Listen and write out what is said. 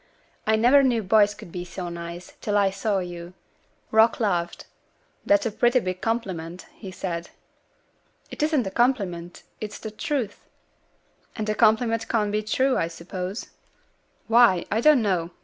"I never knew boys could be so nice, till I saw you." Rock laughed. "That's a pretty big compliment," he said. "It isn't a compliment; it's the truth." "And a compliment can't be the truth, I suppose?" "Why, I don't know.